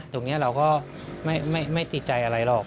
ตรงนี้เราก็ไม่ติดใจอะไรหรอก